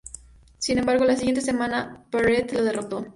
Sin embargo la siguiente semana, Barrett le derrotó.